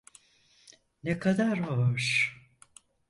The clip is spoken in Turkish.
Ne kadar hoş!